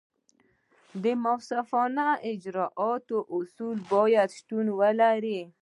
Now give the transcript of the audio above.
د منصفانه اجراآتو اصول باید شتون ولري.